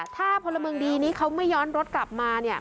ถ้าพลเมืองดีนี้เขาไม่ย้อนรถกลับมา